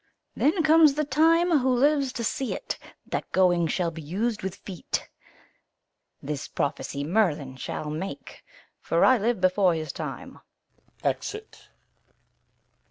Then comes the time, who lives to see't, That going shall be us'd with feet. This prophecy Merlin shall make, for I live before his time. Exit.